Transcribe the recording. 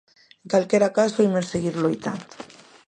En calquera caso, imos seguir loitando.